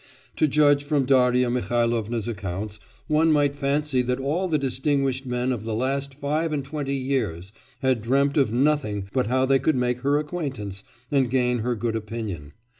To judge from Darya Mihailovna's accounts, one might fancy that all the distinguished men of the last five and twenty years had dreamt of nothing but how they could make her acquaintance, and gain her good opinion.